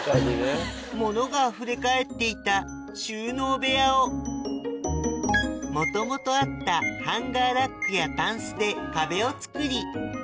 物があふれかえっていた収納部屋を元々あったハンガーラックやタンスで壁を作り